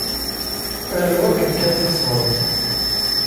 Aru akken kan tessneḍ.